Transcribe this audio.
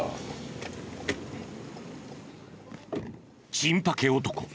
チンパケ男